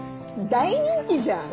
大人気じゃん！